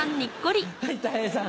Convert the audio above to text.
はいたい平さん。